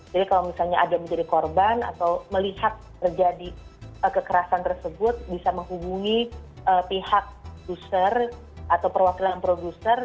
jadi kalau misalnya ada menjadi korban atau melihat terjadi kekerasan tersebut bisa menghubungi pihak user atau perwakilan producer